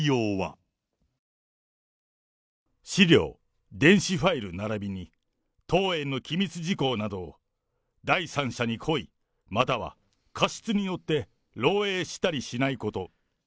資料、電子ファイルならびに当園の機密事項などを第三者に故意、または過失によって漏えいしたりしないこと。